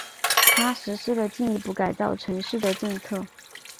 他实施了进一步改造城市的政策。